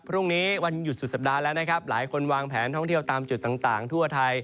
พรุ่งนี้วันหยุดสุดสัปดาห์แล้วนะครับหลายคนวางแผนท่องเที่ยวตามจุดต่างทั่วไทย